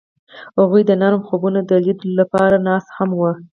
هغوی د نرم خوبونو د لیدلو لپاره ناست هم وو.